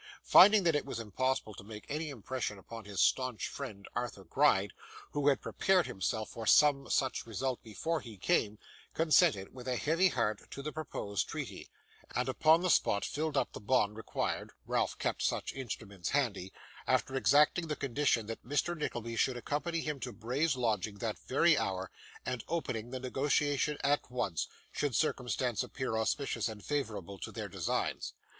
Finding that it was impossible to make any impression upon his staunch friend, Arthur Gride, who had prepared himself for some such result before he came, consented with a heavy heart to the proposed treaty, and upon the spot filled up the bond required (Ralph kept such instruments handy), after exacting the condition that Mr. Nickleby should accompany him to Bray's lodgings that very hour, and open the negotiation at once, should circumstances appear auspicious and favourable to their designs.